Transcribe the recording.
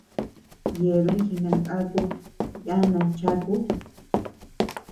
Yeabean jinangaku yana chaku.